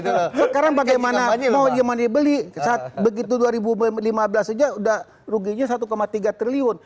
sekarang bagaimana mau dibeli saat begitu dua ribu lima belas saja sudah ruginya satu tiga triliun